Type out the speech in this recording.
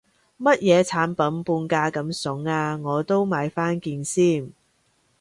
乜嘢產品半價咁筍啊，我都買返件先